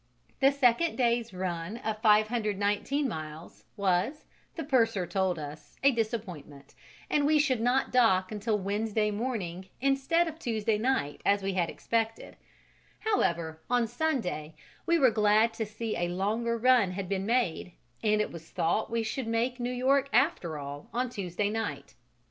The second day's run of 519 miles was, the purser told us, a disappointment, and we should not dock until Wednesday morning instead of Tuesday night, as we had expected; however, on Sunday we were glad to see a longer run had been made, and it was thought we should make New York, after all, on Tuesday night.